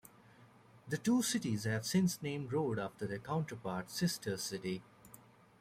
The two cities have since named roads after their counterpart sister city.